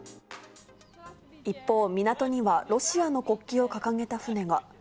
一方、港にはロシアの国旗を掲げた船が。